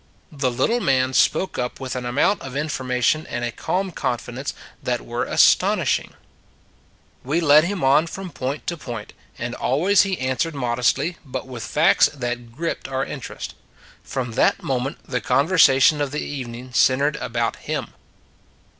The little man spoke up with an amount of information and a calm confidence that were astonish ing. We led him on from point to point; and always he answered modestly, but with 54 An Insignificant Man 55 facts that gripped our interest. From that moment the conversation of the evening centered about him.